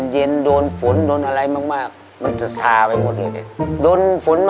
แล้วตอนนั้นเรากี่ขวบ